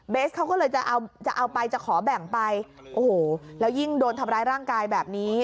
เขาก็เลยจะเอาจะเอาไปจะขอแบ่งไปโอ้โหแล้วยิ่งโดนทำร้ายร่างกายแบบนี้